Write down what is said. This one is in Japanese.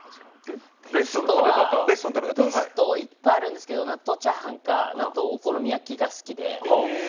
ベストはいっぱいあるんですけど納豆チャーハンか納豆お好み焼きが好きで。